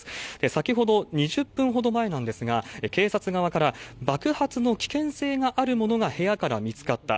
先ほど２０分ほど前なんですが、警察側から、爆発の危険性があるものが部屋から見つかった。